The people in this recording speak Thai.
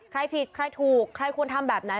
ใครผิดใครถูกใครควรทำแบบไหน